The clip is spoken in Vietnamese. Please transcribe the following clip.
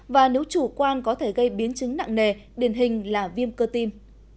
và nếu chủ quan có thể gây biến chứng nặng nề điển hình là viêm cơ tim